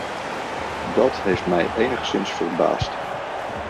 Dat heeft mij enigszins verbaasd.